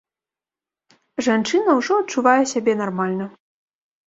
Жанчына ўжо адчувае сябе нармальна.